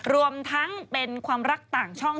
รวมทั้งเป็นความรักต่างช่อง